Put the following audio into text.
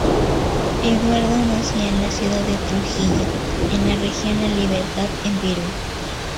Eduardo nació en la ciudad de Trujillo, en la región La Libertad en Perú.